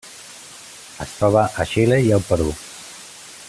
Es troba a Xile i el Perú.